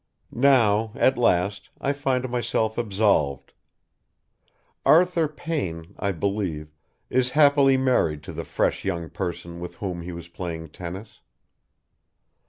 Now, at last, I find myself absolved. Arthur Payne, I believe, is happily married to the fresh young person with whom he was playing tennis.